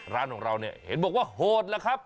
ร้านของเราเนี่ยเห็นบอกว่าโหดแล้วครับ